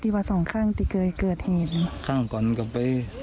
ตอนนั้นเหมือนละ